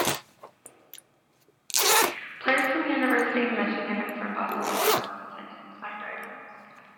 Players from University of Michigan and from Boston College also sent him signed items.